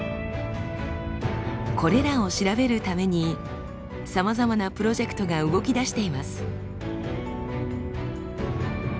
これらを調べるためにさまざまなプロジェクトが動きだしています。